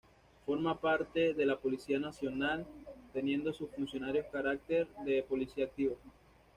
Forma parte de la Policía Nacional teniendo sus funcionarios carácter de Policía Activa.